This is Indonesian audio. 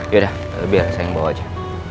yaudah biar saya yang bawa aja